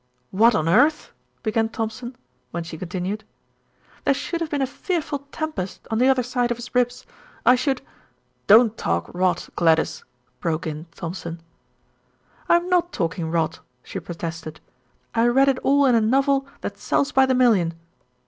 "What on earth " began Thompson, when she continued. "There should have been a fearful tempest on the other side of his ribs. I should " "Don't talk rot, Gladys," broke in Thompson. "I'm not talking rot," she protested. "I read it all in a novel that sells by the million."